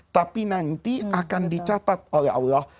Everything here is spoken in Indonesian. tapi nanti akan dicatat oleh allah